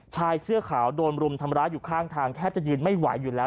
ชายเสื้อขาวโดนรุมทำร้ายอยู่ข้างทางแทบจะยืนไม่ไหวอยู่แล้ว